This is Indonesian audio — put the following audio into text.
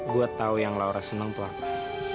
gua tahu yang laura senang tuarka